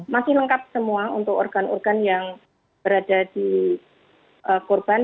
masih lengkap semua untuk organ organ yang berada di korban